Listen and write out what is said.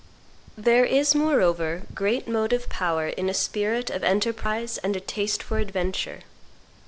There is moreover great motive power in a spirit of enterprise and a taste for adventure.